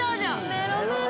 メロメロ